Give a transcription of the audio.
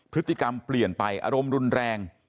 พฤติกรรมเปลี่ยนไปอารมณ์รุนแรง